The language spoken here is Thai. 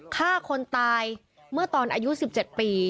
ฆ่าคนตายเมื่อตอนอายุ๑๗ปี